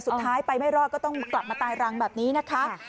สุดท้ายไปไม่รอดก็ต้องกลับมาตายรังแบบนี้นะคะ